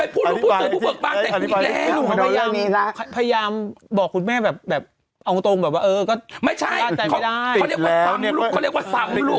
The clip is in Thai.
พยายามพยายามบอกคุณแม่แบบแบบเอาตรงแบบว่าไม่ใช่